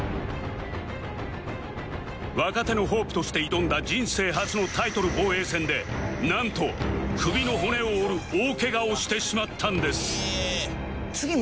若手のホープとして挑んだ人生初のタイトル防衛戦でなんと首の骨を折る大ケガをしてしまったんです